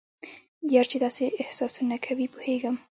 یار چې داسې احسانونه کوي پوهیږم.